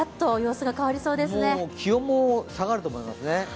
気温も下がると思います。